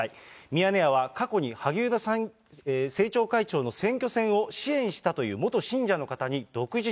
ミヤネ屋は、過去に萩生田政調会長の選挙戦を支援したという元信者の方に独自